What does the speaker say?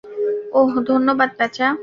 ওহ, ধন্যবাদ পেঁচা!